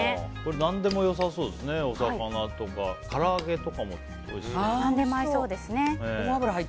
何でも良さそうですねお魚とかから揚げとかもおいしそう。